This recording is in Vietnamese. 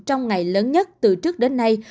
trong ngày lớn nhất từ trước đến nay